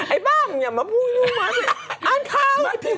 ไอ้บ้ามึงอย่ามาพูดยังไงอ่านข่าว